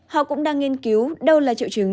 họ cũng đang nghiên cứu đâu là triệu chứng